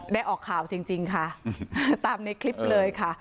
ออกข่าวจริงค่ะตามในคลิปเลยค่ะ